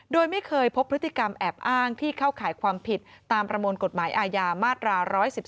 โดยไม่เคยพบพฤติกรรมแอบอ้างที่เข้าข่ายความผิดตามประมวลกฎหมายอาญามาตรา๑๑๒